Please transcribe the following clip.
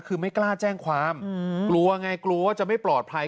คือไม่กล้าแจ้งความกลัวไงกลัวว่าจะไม่ปลอดภัย